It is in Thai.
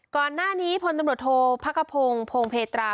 ก่อนหน้านี้พลตำรวจโทษพระกระพงศ์พงเพตรา